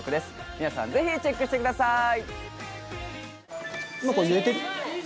皆さん是非チェックしてください